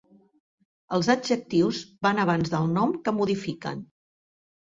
Els adjectius van abans del nom que modifiquen.